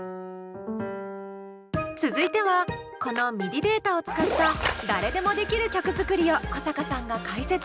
続いてはこのＭＩＤＩデータを使った誰でもできる曲作りを古坂さんが解説！